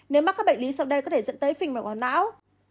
nếu mắc các bệnh lý sau đây có thể dẫn tới phình mạch máu não